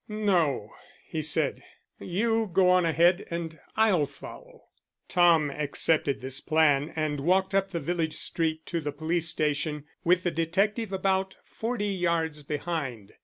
"No," he said. "You go on ahead and I'll follow." Tom accepted this plan and walked up the village street to the police station with the detective about forty yards behind.